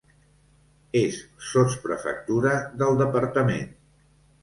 És sotsprefectura del departament.